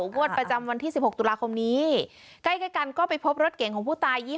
งวดประจำวันที่๑๖ตุลาคมนี้ใกล้กันก็ไปพบรถเก่งของผู้ตาย